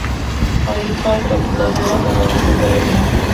ایوب خان له هراته را رسېدلی وو.